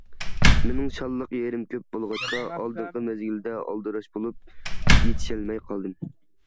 مېنىڭ شاللىق يېرىم كۆپ بولغاچقا ئالدىنقى مەزگىلدە ئالدىراش بولۇپ يېتىشەلمەي قالدىم.